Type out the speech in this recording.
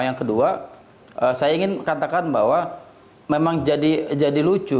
yang kedua saya ingin katakan bahwa memang jadi lucu